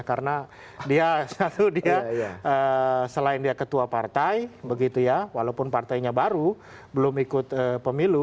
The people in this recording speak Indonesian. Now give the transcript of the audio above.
karena dia satu dia selain dia ketua partai walaupun partainya baru belum ikut pemilu